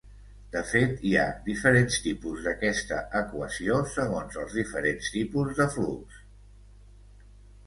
De fet, hi ha diferents tipus d'aquesta equació segons els diferents tipus de flux.